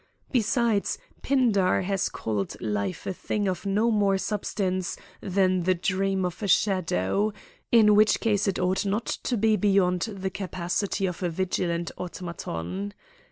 Besides, Pindar has called life a thing of no more substance than the dream of a shadow ; in which case it ought not to be beyond the capacity of a vigilant automaton.